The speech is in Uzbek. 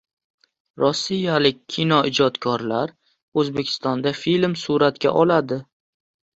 Rossiyalik kinoijodkorlar Oʻzbekistonda film suratga oladi